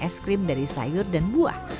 mereka juga menjaga es krim dari sayur dan buah